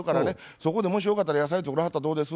そこでもしよかったら野菜作らはったらどうです？」